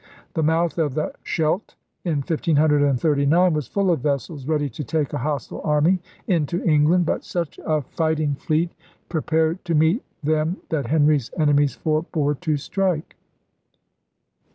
The mouth of the Scheldt, in 1539, was full of vessels ready to take a hostile army into England. But such a fighting fleet prepared to meet them that Henry's enemies forbore to strike.